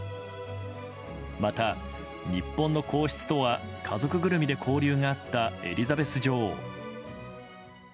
また日本の皇室とは家族ぐるみで交流があったエリザベス女王。